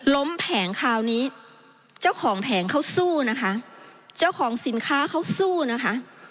แผงคราวนี้เจ้าของแผงเขาสู้นะคะเจ้าของสินค้าเขาสู้นะคะ